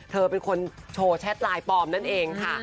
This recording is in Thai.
เธอเป็นคนโชว์แชทไลน์ปลอมนั่นเองค่ะ